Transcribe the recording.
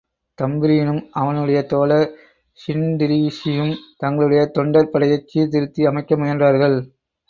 தம்பிரீனும் அவனுடைய தோழர் ஸின்டிரீஸியும் தங்களுடைய தொண்டர் படையைச் சீர்திருத்தி அமைக்க முயன்றார்கள்.